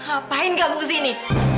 apaan kamu kesini